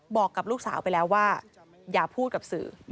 บอกกับลูกสาวไปแล้วว่าอย่าพูดกับสื่อ